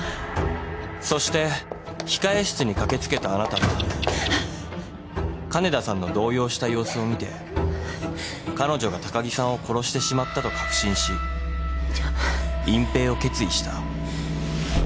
そして控室に駆け付けたあなたは金田さんの動揺した様子を見て彼女が高城さんを殺してしまったと確信し隠蔽を決意した。